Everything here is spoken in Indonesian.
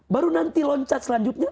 baru nanti loncat selanjutnya